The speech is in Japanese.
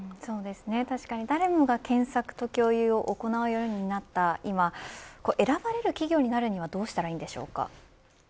確かに誰もが検索と共有を行うようになった今選ばれる企業になるにはどうしたらいいんでしょうか。